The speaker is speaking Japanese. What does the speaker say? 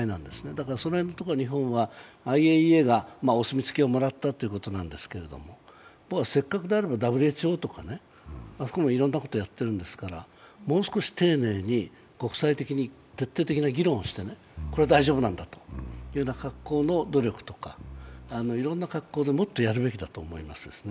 だから、日本はＩＡＥＡがお墨付きをもらったということなんですけど、僕はせっかくであればＷＨＯとかあそこもいろんなことをやってるわけですからもう少し丁寧に国際的に徹底的な議論をして、これは大丈夫なんだという格好の努力とかいろんな格好で、もっとやるべきだと思います。